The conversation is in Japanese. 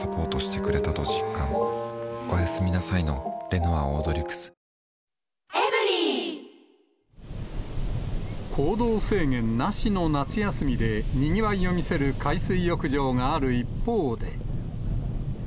海の安全を守るライフセーバ行動制限なしの夏休みで、にぎわいを見せる海水浴場がある一方で。